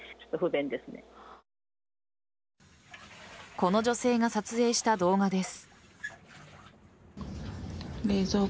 この女性が撮影した動画です。